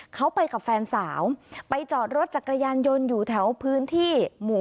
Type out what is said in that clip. เขาไปกับแฟนสาวไปจอดรถจักรยานยนต์อยู่แถวพื้นที่หมู่